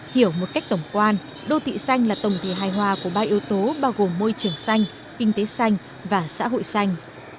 hiểu một cách tổng quan đô thị xanh là tổng thể hài hòa của ba yếu tố bao gồm môi trường xanh kinh tế xanh và xã hội xanh